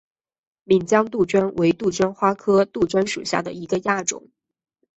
岷江杜鹃为杜鹃花科杜鹃属下的一个亚种。